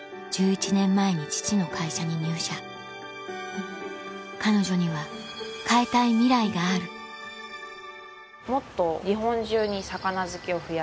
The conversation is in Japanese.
１１年前に父の会社に入社彼女には変えたいミライがあるもっと。